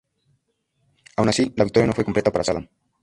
Aun así, la victoria no fue completa para Sadam.